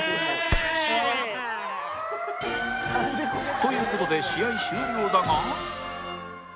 という事で試合終了だが